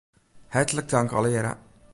Hertlik tank allegearre.